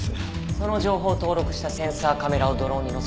その情報を登録したセンサーカメラをドローンに載せ